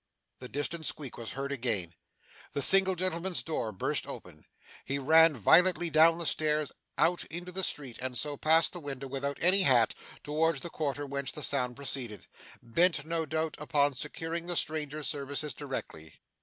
The distant squeak was heard again. The single gentleman's door burst open. He ran violently down the stairs, out into the street, and so past the window, without any hat, towards the quarter whence the sound proceeded bent, no doubt, upon securing the strangers' services directly.